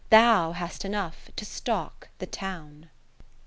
Thou hast enough to stock the Town.